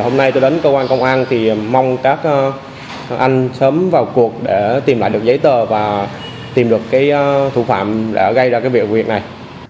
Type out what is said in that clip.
hôm nay tôi đến cơ quan công an thì mong các anh sớm vào cuộc để tìm lại được giấy tờ và tìm được thủ phạm đã gây ra việc này